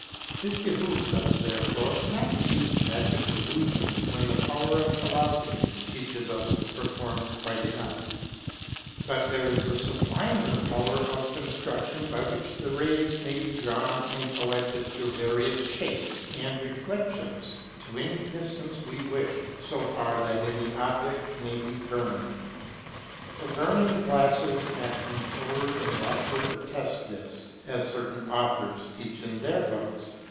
It behooves us, therefore, not to use magic illusions when the power of philosophy teaches us to perform quite enough. But there is a sublirner power of construction, by which rays may be drawn and collected through various shapes and reflec tions to any distance we wish, so far that any object may be burned ; for burning glasses acting forward and backward attest this, as certain authors teach in their books.